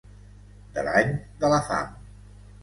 De l'any de la fam.